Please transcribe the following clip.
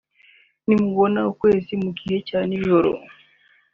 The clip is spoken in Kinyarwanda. “Nimubona ukwezi mu gihe cya nijoro